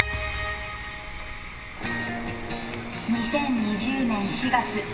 ２０２０年４月。